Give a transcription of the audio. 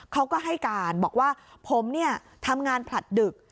เขาก็ให้การบอกว่าผมเนี่ยทำงานผลัดดึก